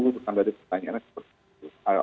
tentang dari pertanyaannya seperti itu